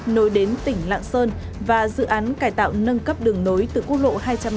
nối đến tỉnh lạng sơn và dự án cải tạo nâng cấp đường nối từ quốc lộ hai trăm năm mươi